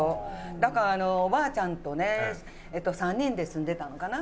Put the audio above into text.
だからおばあちゃんとね３人で住んでたのかな一戸建てで。